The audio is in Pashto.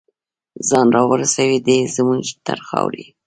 ځان راورسوي دی زمونږ تر خاورې